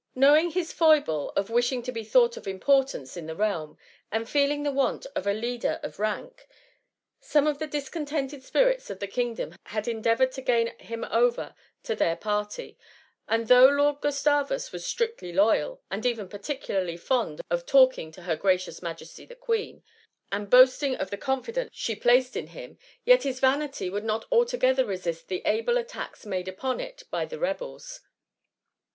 Knowing his foi ble of wishing to be thought of importance in the realm, and feeling the want of a leader of rank, some of the discontented spirits of the kingdom had endeavoured to gain him over to their party ; aad though Lord Gustavus was strictly loyal, and even particularly fond of talking of her gracious Majesty the Queen, and boasting of the confidence she placed in 144 THE MUMMY. him, yet his vanity could not altogether resist the able attacks made upon it by the rebels.